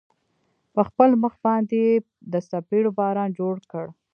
په خپل مخ باندې يې د څپېړو باران جوړ كړ.